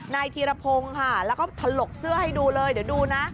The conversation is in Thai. ธีรพงศ์ค่ะแล้วก็ถลกเสื้อให้ดูเลยเดี๋ยวดูนะ